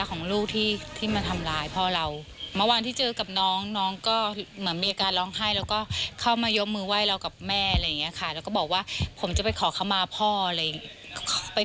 ตอนนี้ถามว่าก็ไม่โกรธแล้วนะคะหลังที่เจอน้องอะไรแบบนี้